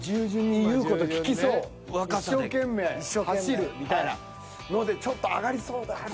ねえ何でも一生懸命走るみたいなのでちょっと上がりそうな感じ。